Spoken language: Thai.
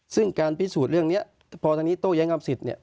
ซึ่งการพิสูจน์เรื่องนี้พอทางนี้โต้แย้งกับสิทธิ์เนี่ย